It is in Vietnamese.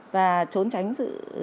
và trốn tránh sự